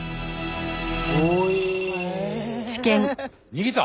逃げた！？